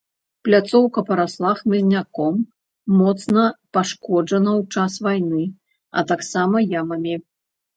Пляцоўка парасла хмызняком, моцна пашкоджана ў час вайны, а таксама ямамі.